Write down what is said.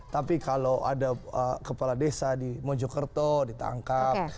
tapi kalau ada kepala desa di mojokerto ditangkap